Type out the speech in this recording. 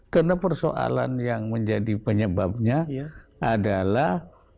karena persoalan yang menjadi penyebabnya adalah